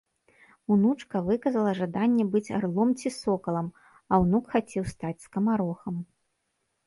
Унучка выказала жаданне быць арлом ці сокалам, а ўнук хацеў стаць скамарохам.